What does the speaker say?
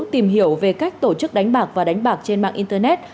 tìm hiểu về cách tổ chức đánh bạc và đánh bạc trên mạng internet